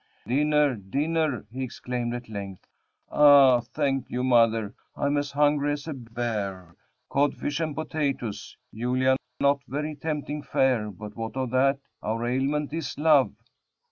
"Dinner! dinner!" he exclaimed at length; "ah! thank you, mother; I'm as hungry as a bear. Codfish and potatoes, Julia not very tempting fare but what of that? our aliment is love!"